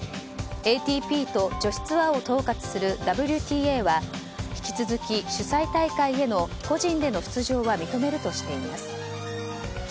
ＡＴＰと女子ツアーを統括するＷＴＡは引き続き主催大会の個人での出場は認めるとしています。